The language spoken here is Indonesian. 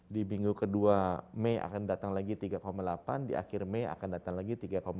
di minggu kedua mei akan datang lagi tiga delapan di akhir mei akan datang lagi tiga empat